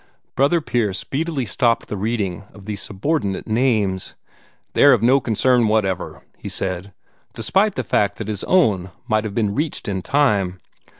Brother Pierce speedily stopped the reading of these subordinate names. "They're of no concern whatever," he said, despite the fact that his own might have been reached in time.